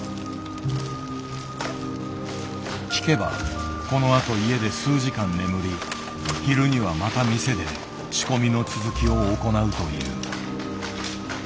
聞けばこのあと家で数時間眠り昼にはまた店で仕込みの続きを行うという。